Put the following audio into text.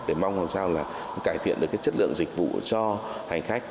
để mong làm sao là cải thiện được chất lượng dịch vụ cho hành khách